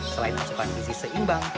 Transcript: selain asupan visi seimbang